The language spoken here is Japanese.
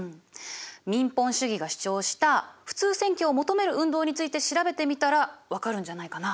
民本主義が主張した普通選挙を求める運動について調べてみたら分かるんじゃないかな？